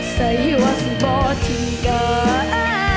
ใส่ว่าจะเป่าที่กัน